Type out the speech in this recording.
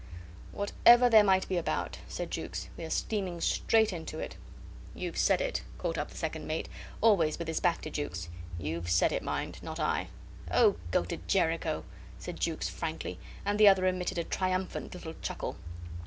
"Whatever there might be about," said Jukes, "we are steaming straight into it." "You've said it," caught up the second mate, always with his back to Jukes. "You've said it, mind not I." "Oh, go to Jericho!" said Jukes, frankly; and the other emitted a triumphant little chuckle.